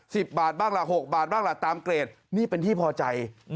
สิบบาทบ้างล่ะหกบาทบ้างล่ะตามเกรดนี่เป็นที่พอใจ